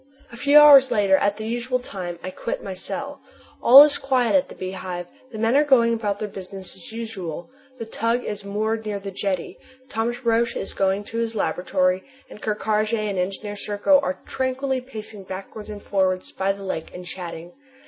A few hours later, at the usual time, I quit my cell. All is quiet at the Beehive. The men are going about their business as usual. The tug is moored near the jetty. Thomas Roch is going to his laboratory, and Ker Karraje and Engineer Serko are tranquilly pacing backwards and forwards by the lake and chatting.